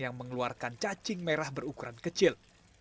yang mengeluarkan cacing merah berukuran kecil